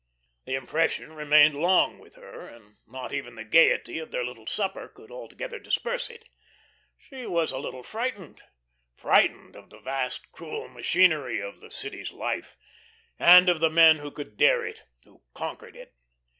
The impression remained long with her, and not even the gaiety of their little supper could altogether disperse it. She was a little frightened frightened of the vast, cruel machinery of the city's life, and of the men who could dare it, who conquered it.